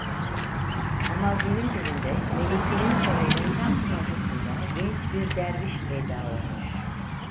Ama günün birinde melikenin sarayının tam karşısında genç bir derviş peyda olmuş.